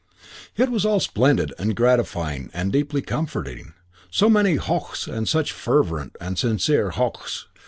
It was all splendid and gratifying and deeply comforting. So many "Hochs!" and such fervent and sincere "Hochs!"